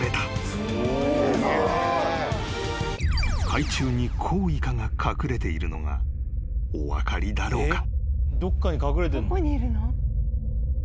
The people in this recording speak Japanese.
［海中にコウイカが隠れているのがお分かりだろうか？］